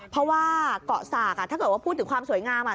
เพราะว่าเกาะสากถ้าเกิดว่าพูดถึงความสวยงามอ่ะ